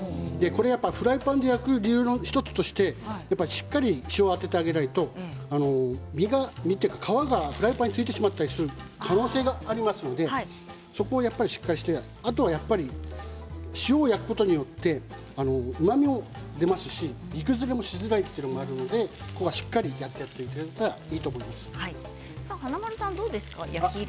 フライパンで焼く理由の１つとしてしっかり塩をあててあげないと皮がフライパンについてしまったりする可能性がありますのでそこをしっかりして塩を焼くことによってうまみも出ますし煮崩れがしやすいということもあるのでしっかりやっていただいたらいいと思います。